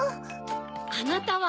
あなたは。